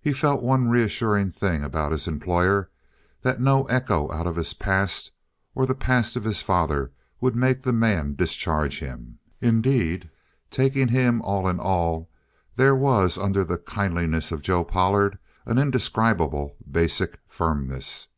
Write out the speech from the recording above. He felt one reassuring thing about his employer that no echo out of his past or the past of his father would make the man discharge him. Indeed, taking him all in all, there was under the kindliness of Joe Pollard an indescribable basic firmness.